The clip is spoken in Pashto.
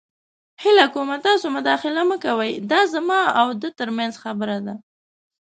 هیله کوم تاسې مداخله مه کوئ. دا زما او ده تر منځ خبره ده.